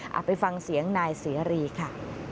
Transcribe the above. เอาไปฟังเสียงนายเสรีค่ะ